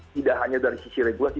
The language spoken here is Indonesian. tidak hanya dari sisi regulasi